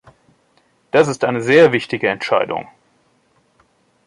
Das ist eine sehr wichtige Entscheidung.